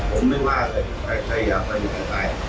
ผมไม่ว่าเลยไปไทยอยากไปไหนก็ไป